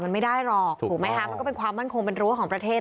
มันไม่ได้หรอกถูกไหมคะมันก็เป็นความมั่นคงเป็นรั้วของประเทศ